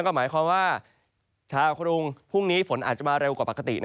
ก็หมายความว่าชาวกรุงพรุ่งนี้ฝนอาจจะมาเร็วกว่าปกติ